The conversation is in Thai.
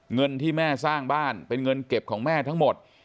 เงินที่แม่สร้างบ้านเป็นเงินเก็บของแม่ทั้งหมด